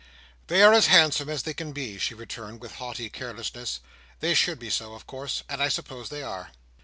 "They are as handsome as they can be," she returned, with haughty carelessness. "They should be so, of course. And I suppose they are."